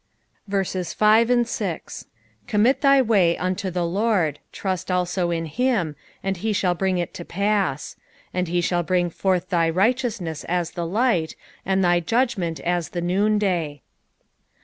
5 Commit thy way unto the LORD ; trust also in him ; and he shall bring it to pass. 6 And he shall bring forth thy righteousness as the light, and thy judgment as the noonday.